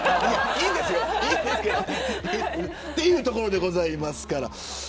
いいんですけど。ということでございますから。